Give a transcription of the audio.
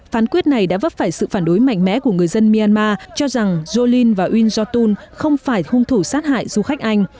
phán quyết này đã vấp phải sự phản đối mạnh mẽ của người dân myanmar cho rằng jolin và winjotun không phải hung thủ sát hại du khách anh